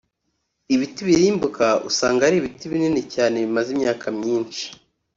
Ibiti birimbuka usanga ari ibiti binini cyane bimaze imyaka myinshi